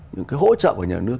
những cái hỗ trợ của nhà nước